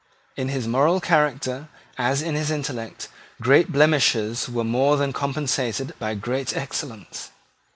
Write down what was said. In his moral character, as in his intellect, great blemishes were more than compensated by great excellence.